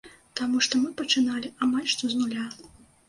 Таму што мы пачыналі амаль што з нуля.